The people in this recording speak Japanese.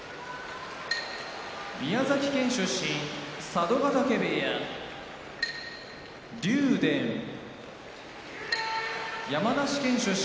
宮崎県出身佐渡ヶ嶽部屋竜電山梨県出身